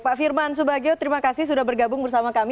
pak firman subagio terima kasih sudah bergabung bersama kami